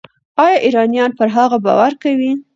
ایا ایرانیان پر هغه باور کوي؟